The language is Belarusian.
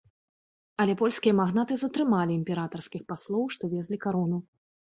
Але польскія магнаты затрымалі імператарскіх паслоў, што везлі карону.